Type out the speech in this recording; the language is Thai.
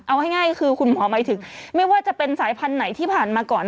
เอาง่ายคือคุณหมอหมายถึงไม่ว่าจะเป็นสายพันธุ์ไหนที่ผ่านมาก่อน